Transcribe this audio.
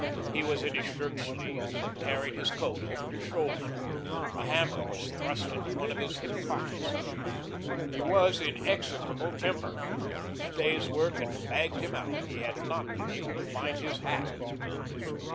He was in his shirt sleeves and carried his coat over his shoulder; a hammer was thrust into one of his hip pockets. He was in execrable temper. The day's work had fagged him out. He had not been able to find his hat.